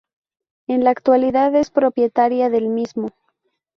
En la actualidad es propietaria del mismo.